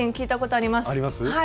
あります？